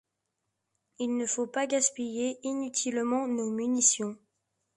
Il ne faut pas gaspiller inutilement nos munitions !